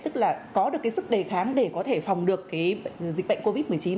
tức là có được cái sức đề kháng để có thể phòng được cái dịch bệnh covid một mươi chín